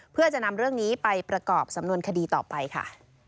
เพื่อจะนำเรื่องนี้ไปประกอบสำนวนคดีต่อไปค่ะ